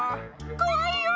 怖いよー。